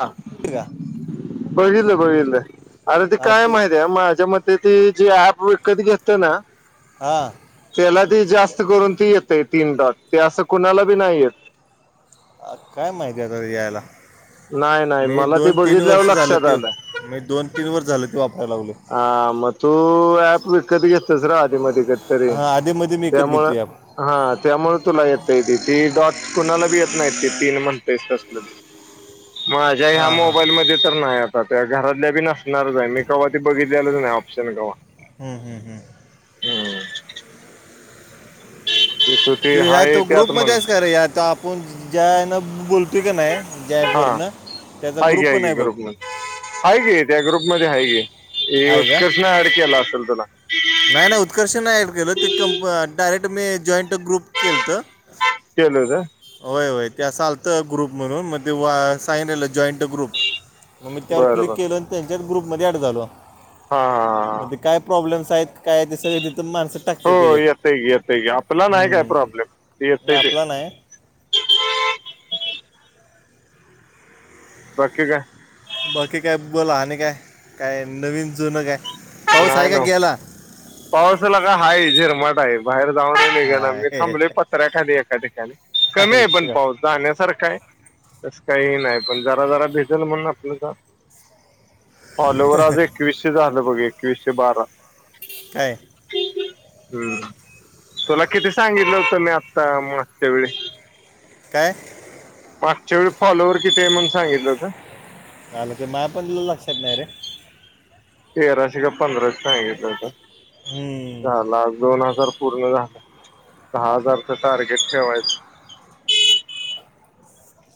हां. [inaudible] का बघितलं बघितलं अरे ते काय माहित आहे माझ्या मते ते जे ऍप विकत घेतेय ना हा त्याला ती जास्त करून ती येते तीन डॉट ते असं कुणाला बी नाही येत काय माहिती आहेता यायला नाही नाही मी मला ते दोन तीन बघितल्यावर वर्ष झालं लक्षात ते आलं मी दोन तीन वर्ष झालं ते वापरायला लागलोय ह म तु ऍप विकत घेतल्यास र अधीमधी क हा आधी मध्ये मी विकत घेतो ऍप हा त्यामुळे तुला येतय ते ते डॉट कुणाला बी येत नाही ते तीन म्हणताय कसलं माझ्या हा ह्या हा मोबाईलमध्ये तर नाही त्या घरातल्या बी नसणारचं आहे मी कवा ती बघितलेलंच नाही ऑप्शन कवा हम्म हम् हम् हम्म त [inaudible] या ग्रुप मध्ये आहेस का रे या आप पण ज्यानं बोलतो का नाही ज्या ऍप हा वरन त्याचा की ग्रुप पण की आहे बघ ग्रुपमध्ये आहे की त्या ग्रुप मध्ये आहे की आहे का उत्कर्षणं ऍड केला असेल तुला नाही नाही उत्कर्ष नाही ॲड केलं ते कंप डायरेक्ट मी जॉईंट ग्रुप केलंत केल का होय होय ते असं आलतं ग्रुप म्हणून मग ते साईन जॉईंट ग्रुप मग मी त्यावर बरं क्लिक बर केल आणि त्यांच्याच ग्रुपमध्ये ॲड झालं हा हा मध्ये काय प्रॉब्लेम्स आहेत काय ते सगळे तिथं माणसं हो टाकतत्याच्यात येतय की येतय की आपला नाही काय प्रॉब्लेम ते नाही येतय ते आपला नाही बाकी काय बाकी काय बोला आणि काय काय नवीन जुनं काय पाऊस आहे का गेला पाऊस लका हाय झिरमाटा आहे बाहेर जाऊन नाहीघ ना मी आहे. थांबले पत्र्याखाली एका ठिकाणी कमी आहे पण इथं का? पाऊस जाण्यासारखं आहे तसं काही नाही पण जरा जरा भेटेल म्हणून आपलं फॉलोवर आज एकवीसशे झालं बघ एकवीसशे बारा काय हम्म तुला किती सांगितलं होतं मी आत्ता मागच्या वेळी काय? मागच्या वेळी फॉलोवर किती आहे म्हणून सांगितलं होत. आलं ते माया पण लक्षात नाय रे तेराशे काय पंधराश सांगितलं होत हम्म. दहा लाख दोन हजार पूर्ण झालं दहा हजारच टार्गेट ठेवायचा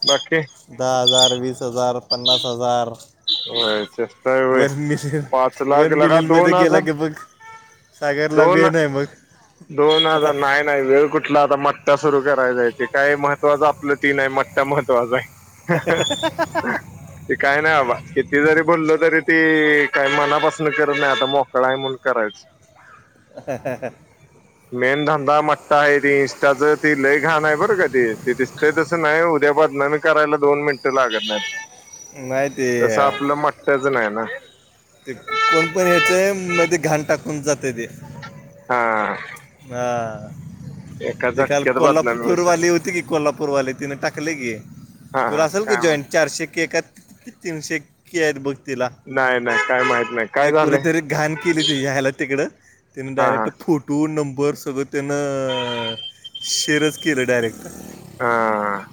बाकी दहा हजार वीस हजार पन्नास हजार होय, चेष्टा आहे होय वन मिशन पाच वन लाख लगा मिलियन मध्ये दोन गेला हजार की बघ सागरला दोन वेन आहे मग दोन हजार नाय नाही वेळ कुठला आता मट्टा सुरु करायचाय ते काय महत्वाचं आपलं ती नाय मट्टा महत्त्वाचा आहे. [unintelligible] ते काय नाय बाबा किती जरी बोलल तरी ती काय मनापासून करत नाय आता मो ट्राय म्हणून करायचं [unintelligible] मेन धंदा मट्टा आहे ती इंस्टाच ती लय घान आहे बरं का ते ते दिसतय तसं नाय उदया बदनामी करायला दोन मिनटं लागत नाहीत नाही ते तस आपलं मट्टाच नाही ना. ते कोण पण येतय मध्ये घाण टाकून जाते ते हा हा. एका ते काल झटक्यात बदनामी होऊ कोल्हापूरवाली शकते होती की कोल्हापूरवाले तिन टाकले की हा हा तुला असल का काय मग जॉईंट चारशे के काय तीनशे के आहेत बघ तिला नाही नाही काय माहित नाय. ते कोणीतरी घाण केली तिज्या आयला तिकडं तिनं हा हा डायरेक्ट फुट टू नंबर सगळं त्यानं अ शेअरच केलं डायरेक्ट हा.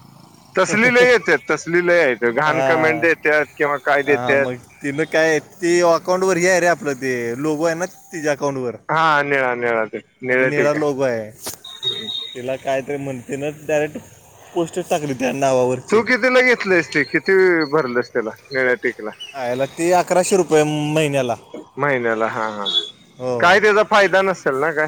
तसली लय येत्यात तसली लय हाईत घाण कमेंट देत्यात किंवा काय देत्यात. तिन काय ती अकाउंट वर हे हाय रे आपलं ते लोगो आहे ना तिज्या अकाउंटवर हा निळा निळा ते आणि निळं निळा ठीक आहे लोगो हाय तिला कायतरी म्हणते ना डायरेक्ट पोस्ट टाकली त्या नावावर तू कितीला घेतलंस ते किती भरलस त्याला निळ्या टिकला आयला ते अकराशे रुपये मं महिन्याला महिन्याला हा हा काय त्याचा फायदा नसेल ना काय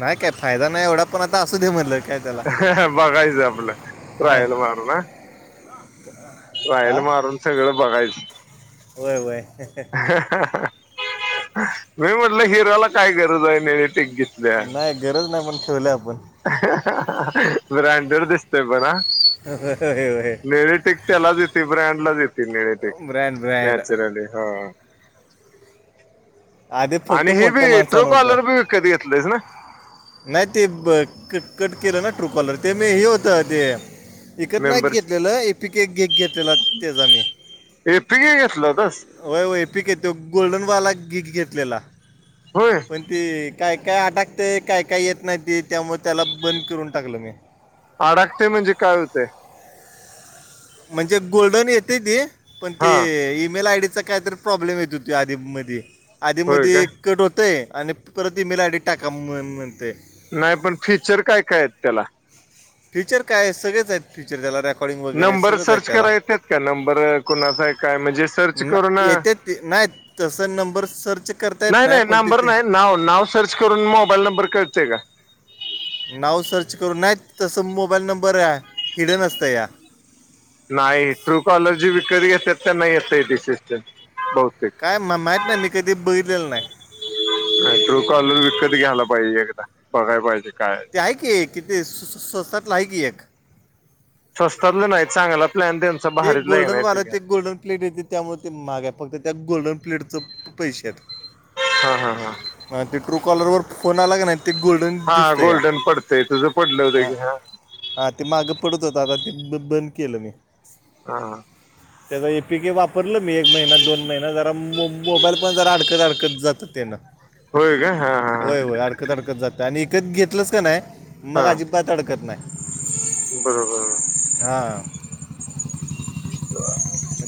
नाय काय फायदा नाय एवढा पण आता असू दे म्हणलं काय त्याला बघायचं आपलं हा ट्रायल मारू नां [unintelligible] ट्रायल मारून सगळं बघायचं. व्हय व्हय मी म्हटलं हिरोला काय गरज आहे निळ्या टिक ची नाय गरज नाय पण ठेवलंय आपण ब्रँडेड दिसतय पण हा होय होय होय निळी टीक त्यालाचं येते ब्रँडलाचं येते निळी टीक ब्रँड ब्रँड नॅचरली हा. आधी फक्त आणि हे मोठ्या बी माणसान ट्रू होत. कॉलर बी विकत घेतलंयस ना नाय ते ब क कट केलं ना ट्रू कॉलर ते मी हे होत ते. ईकत नाय मेंबरशिप घेतलेलं ए पीक घेक घेतलेला त्याचा मी ए पी के घेतला होतास. होय होय ए पी के तो गोल्डन वाला गी घेतलेला होय. पण ते काय काय अटाकतय काय काय येत नाही ते त्यामुळं त्याला बंद करून टाकलं मी अडाकतंय म्हणजे काय हुतंय. म्हणजे गोल्डन येतय ते पण ते हा ईमेल आयडीच काय तर प्रॉब्लेम येत होते आधीमध्ये.. होय का आधीमध्ये कट होतय आणि परत ई-मेल आय-डी टाका म्ह, म्हणतंय नाही पण फीच्चर काय काय आहेत त्याला फीच्चर काय आहेत.. सगळेच आहेत फिच्चर त्याला..... कॉलिंग वगैरे नंबर सगळंच हायेत सर्च त्याला करा येतात का नंबर कुणाचा आहे काय म्हणजे सर्च न करून येत्यात ती नाहीत.. तस नंबर सर्च करता येत नाही पण.... नंबर तिथे नाही नाव नाव सर्च करून मोबाईल नंबर कळतय का? नाव सर्च करून नाही तसं मोबाईल नंबर आहे हिडन असतंय या.... नाही ट्रू कॉलर जी विकतं घेत्यात त्याना येतंय ते फिच्चर.. हो... काय म, माहीत नाही मी कधी बघितलेलं नाही. काय ट्रू कॉलर विकत घ्यायला पाहिजे एकदा बघाय पाहिजे काय हायत? काय ते किती स्वस्तातलं आहे की एक स्वस्तातलं नाही चांगला प्लॅन तेन... ते गोल्डन वाराची ते एक गोल्डन प्लेट येते त्यामुळे ते मागे फक्त त्या गोल्डन प्लेटचं... पैशात.. हा हा हा ह ते ट्रू कॉलर फोन आला क नाय ते गोल्डन हा दिसतंया.... गोल्डन पडतंय तुझं पडलं होतं ह की हा हां ते मागं पडत होत आता तिथंन बंद केलं मी.. ! हा.. हा... [inaudible] त्याचां ए पी के वापरलं मी एक महिना दोन महिना जरा मो मोबाईल पण जरा अडकत अडकत जातो त्यानं.... होय काय... हा हा ह! होय होय अडकत, अडकत जातय आणि इकत घेतलंच क नाय मग हा अजिबात अडकत नाय.... बरोबर... हा....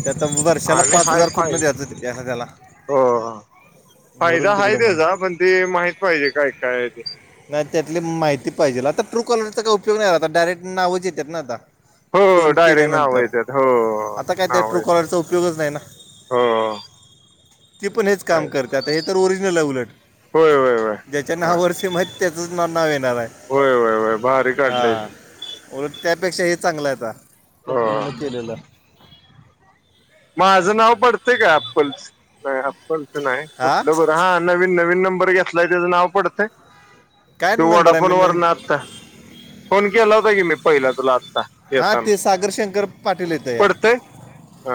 ते आता वर्षाला आम्ही पाच हाय- हजार फाय... कुठनं द्यायचं ते त्याला त्याला हो! फायदा मरून हाय तिकडं म्हणून त्येजा पण ते माहित पाहिजे काय काय ते नाही त्यातली माहिती पाहिजेल आता ट्रू कॉलरचा काय उपयोग नाही आता डायरेक्ट नावच येत्यात ना आता हो फोन डायरेक्ट नाव केल्यानंतर येतात हो आता काय त्यात ट्रू नाव कॉलरचा उपयोगच नाही ना.. हो ती पण हेच काम होय करत्या आता हे तर ओरिजिनल आहे उलट होय होय ज्याच्या होय नाववर सिम हाईतं त्येजच नाव येणार हाय बाहेर काढलय.. उलट त्यापेक्षा हे चांगलं हाय आता हो कंपनीनं केलेलं माझं नाव पडतय काय अप्पलच नाही अप्पलचं नाही हां कुठलं बरं हां... नवीन नवीन नंबर घेतलाय त्याचं नाव पडतंय.. काय तो नंबर आहे वडाफोन मी न- वरन आलता... फोन केला होता की मी पहिला तुलाचं.. हा ते सागर शंकर पाटील येत या पडतंय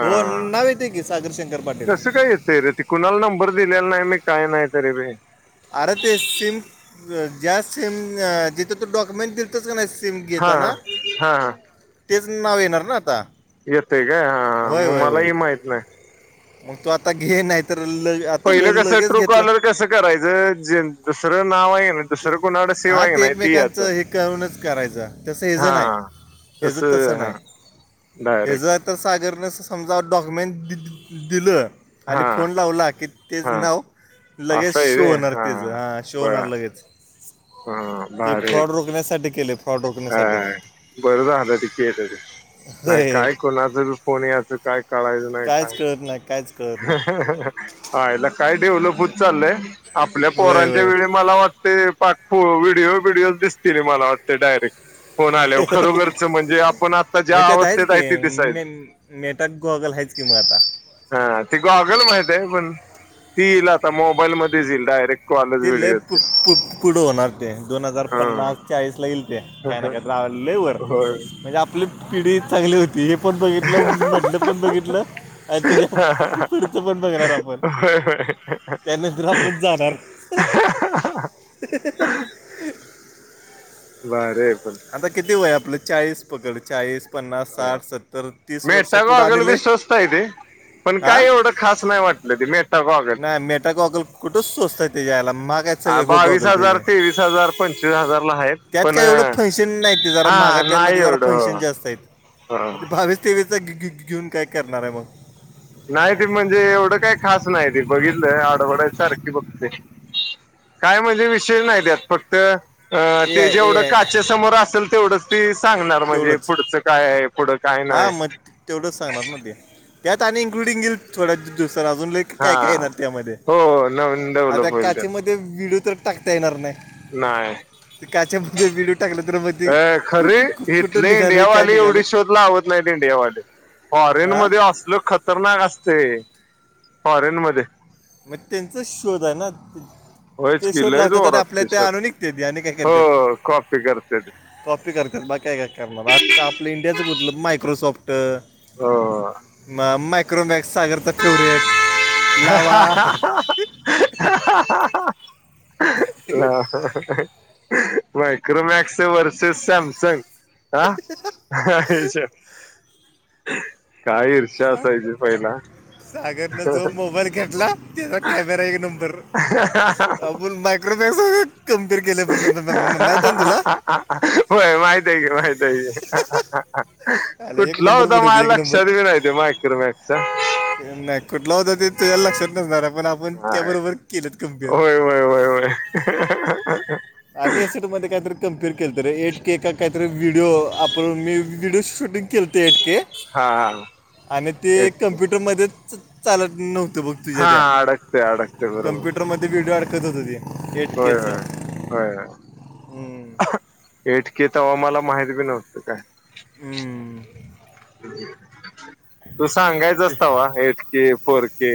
हो नाव येते की सागर शंकर पाटील कसं काय येतय रे ते कुणाला नंबर दिलेला नाही मी काय नाही तरी बि.. अरे ते सिम ज्या सिम जिथ तु डॉक्युमेंट देतो देतोस का नाही सिम हा घेताणा हा हा तेच नाव येणार ना आता.. येत का हा होय मग होय होय मलाही माहित नाही मग तु आता घे नाही तर लई पहिलं कसं ट्रू कॉलर कसं करायचं जे दुसरं नाव आहे कणी.. हा ते एकमेकांचं हे करूनच करायचं तसं हेज हा नाही.. हेज तस तसं हा नाही डायरेक्ट हेजं तर सागरने समजा डॉक्युमेंट दि दिलं, आणि हा फोन लावला की तेच हा नाव लगेच असं आहे शो रे होणार, तेच हा शो बर होणार लगेच. हा, भारी हाय! [unintelligible] केले, फो अ अ अ बरं झालं ते केल, नाही होय काय? कुणाच बी फोन याचं काय, कळायचं नाही कायच काय? कळत नाही कायच कळत अह् नाही अह्. हायला काय डेव्हलप होत चालयं, आपल्या होय पोरांच्या होय वेळी मला वाटतं ते [unintelligible] व्हिडिओ बिडिओ दिसतील, मला वाटते डायरेक्ट. फोन आल्यावर खरोखरचं म्हणजे, आपण आता मग ज्या त्यात आहेच अवस्थेत आहे की ते दिसायल [unintelligible] गॉगल हायचं कि म आता. हा ती गॉगल माहित आहे, पण ती येईल आता मोबाईलमध्ये येईल डायरेक्ट. कॉलच ते लय पु व्हिडिओचे पु पुढं होणार, ते दोन हजार हा पन्नास चाळीस ला येइल. ते काय ना काय [unintelligible] लय वर होय म्हणजे, आपली पिढी चांगली होती. पण बघितलं म्हधलं पण बघितलं. अ त्याच्या पुढचं पण बघणार, आपण होय त्यानंतर आपण जाणार. अह् अह् अहा् हा भारी आहे पण. आता किती वय आपलं, चाळीस पकड चाळीस? पन्नास, साठ, सत्तर, तीस वर्ष मेटा पुढं गॉगल आणि बी लयं स्वस्त आहे ते पण काही एवढं खास नाही वाटलं, ते मेटा गॉगल. नाही मेटा गॉगल कुठं स्वस्त हायतं तेच्या [unintelligible] महाग हायतं. हा बावीस हजार, तेवीस हजार, पंचवीस हजार ला आहेत, त्यात पण [unintelligible] नाही जरा हा महागातलं म नाही जरा एवढं [unintelligible] हो जास्त हाय. ह बावीस, तेवीस चा घे घेऊन, काय करणार आहे मग? नाहीती म्हणजे, एवढं काय खास नाहीती बघितलं, आडवडाइज सारखी बघतोय. काय म्हणजे, विषय नाही त्यात फक्त अ ए ते आय ए जेवढं आय काचेसमोर असेल, तेवढंच ती सांगणार म्हणजे पुढचं काय आहे? पुढं काय हा नाही मग तेवढंच सांगणार, ना ते त्यात आणि इन्क्लूडिंग येईल थोड्या दिवसानं अजून लई हा काय काय येणार त्यामध्ये, हो नवीन डेव्हलप आता होईल त्यात काचेमध्ये व्हिडिओ तर टाकता येणार नाही? नाही. काच्यामध्ये विडिओ टाकला, तर म ते अ खरे कुठं निघालोय काय निघालोय? [unintelligible] फाँरेन हां मध्ये असलं खत खतरनाक असतंय, फॉरेन मध्ये मग त्यांचा शोध आहे, ना? होयच ते की शोध लय लावतात, आणि जोरात आपल्या ते इथ आणून सध्या विकत्यात आणि काय करत्यात? हो कॉपी करत्यात कॉपी करतात, बाकी का काय करणार आता आपलं, इंडियाचं कुठलं मायक्रोसॉफ्ट. हो हो. मग मायक्रोमॅक्स सागरचा फेवरेट लावा [unintelligible] अह् ह अह् मायक्रोमॅक्सच व्हर्सेस सॅमसंग. आ अह् अह् [unintelligible] काय [unintelligible] [unintelligible] असायचे पहिला सागरनं अह जो अह. मोबाईल घेतला, त्याचा कॅमेरा एक नंबर. [unintelligible] [unintelligible] मायक्रोमॅक्स कम्पेअर केलयं, म म माहित न तुला. ह होय माहित आहे, कि माहित आहे. [unintelligible] आला एक कुठला नंबर होता, पुढे होती माझ्या एक नंबर लक्षात बी नाही तो मायक्रोमॅक्सचा. नाही कुठला होता, ते तुझ्या लक्षात नसणार आहे, पण आपण त्या बरोबर केलतं कम्पेअर. होय होय होय. हा हा हा. आम्ही सेट मध्ये काहीतरी कम्पेअर केलंत रे एट केका काहीतरी व्हिडिओ आपण मी. व्हिडिओ शूटिंग केलं ते एटके हा आणि ते तेच की कम्प्युटरमध्येच. चालत नव्हतं बघ. हा अडकते, अडकते बरोबर. ट्रॅक्टरमध्ये व्हडिओ आडकत हो ते होय एटकेच. होय होय होय एटके तव्हा मला माहित बी नव्हत काय. [inaudible] तू सांगायचास तव्हा. Eight K, four K.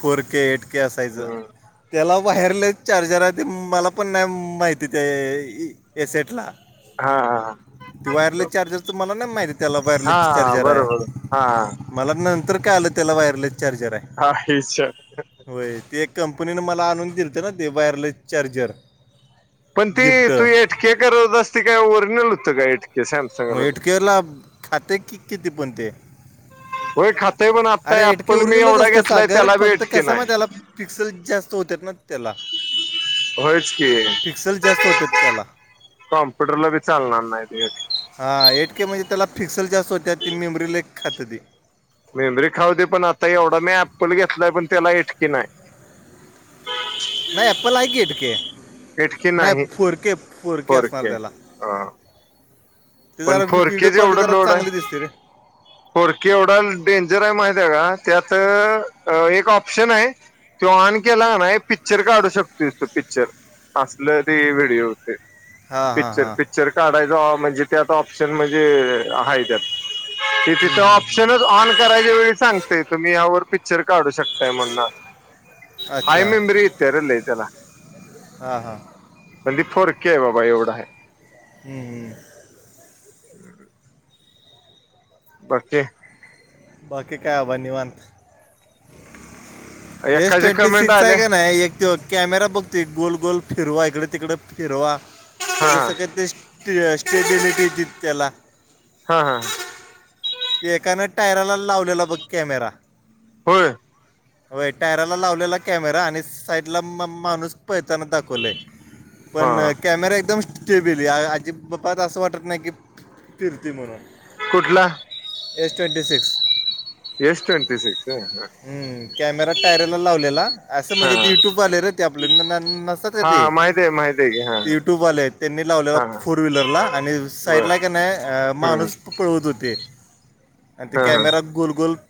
Four K eight K असायचं. हम्म त्याला वायरलेस चार्जर आहे ते मला पण नाही माहिती ते एस एटला. हा हा हां. ते वायरलेस चार्जर तर मला नाही माहिती त्याला वायरलेस हा चार्जर आहे. बरोबर हा मला नंतर कळालं त्याला वायरलेस चार्जर आहे. हा हेचच. होय ते कंपनीने मला आणून दिलत ते वायरलेस चार्जर. पण ती गिफ्ट तू इटके करत असते काय ओरिजनल होतं कायक. मेटके ला खातंय की किती पण ते. होय खातय पण आता अरे एटके ऍप्पल मी ओरिजनलच एवढा असतय घेतलाय सागर त्याला बी फक्त एटके कसा म नाही त्याला पिक्सल जास्त होत ना. त्याला होयच की [inaudible] पिक्सल जास्त होत त्याला. कॉम्प्युटर ला बी चालणार नाही. हा एट के म्हणजे त्याला पिक्सल जस्त होत्या ती मेमरी लक खात ती. मेबरी खाऊते पण आता एवढा मी अप्पल घेतलाय पण त्याला इटकीी नाही. नाही एप‌ल आहे की ऐट के. नाही फुरके फुरके फोर असणार के त्याला. [inaudible] हा [inaudible] ते पण जरा फोर व्हडीिओ के क्वालिटी जरा चांगली दिसते रे. [inaudible] फोरकी एवढा डेंजर आहे माहित आहे का त्यात एक ऑप्शन आहे. तो ऑन केला ना पिक्चर काढू शकतोस तो पिक्चर. असलं तरी वेळी होते. हां हां पिक्चर, हां पिक्चर काढायच म्हणजे त्यात ऑप्शन म्हणजे आहे त्यात. ते तिथं ऑप्शनच ऑन करायच्या वेळी सांगतय तुम्ही यावर पिक्चर काढू शकताई मना हाय मेमरी येत्या र त्याला. हा हा. ट्वेंटी फोर के आहे बाबा एवढा आहे. हम् हम. हम्. फोर के. बाकीकी कायवा निवात. [inaudible] एस एकाचे ट्वेंटी कमेंट सिक्स आले आहे का ना एकट. कॅमेरा बघतो गोल गोल फिरवा इकडे तिकडे फिरवा हा त्या हा स का ते. स्टे स्टेबिलीिटी तितला. हा हा. ते एकानं टायराला लावलेला बघ कॅमेरा. होय [inaudible] वय टायराला लावलेला कॅमेरा आणि साईडला माणूस. पडताना दाखवले पण हा कॅमेरा एकदम. ट बिली आजी बाप्प असं वाटत नाही की फिरती म्हणून. कुठला? Age twenty six. एष्ट अंटस. हो हा. हम् कॅमेरा टायरला लावलेला असं म्हणजे हा ते युट्यूब आले र. ते आपल्या. हा माहित आहे माहित. आहे की हा यूट्यूब आले त्यांनी लावलेला हा हा फोर व्हीलरला आणि बर साईडला का नाही हम्म माणूस. पळवत होते आणि ते हा हा कॅमेरा गोल-गोल.